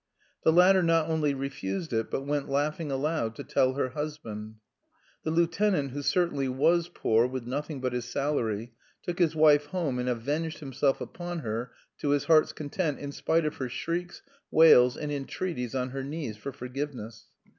The latter not only refused it, but went laughing aloud to tell her husband. The lieutenant, who certainly was poor, with nothing but his salary, took his wife home and avenged himself upon her to his heart's content in spite of her shrieks, wails, and entreaties on her knees for forgiveness.